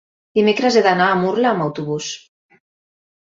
Dimecres he d'anar a Murla amb autobús.